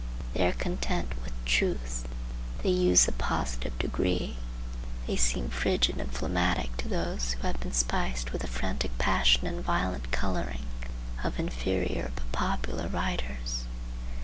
They are content with truth. They use the positive degree. They seem frigid and phlegmatic to those who have been spiced with the frantic passion and violent coloring of inferior but popular writers.